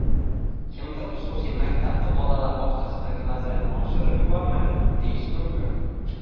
Kimdir xususiy maktab va bolalar bog'chasidagi vaziyatni oshirib yubormang, deyishi mumkin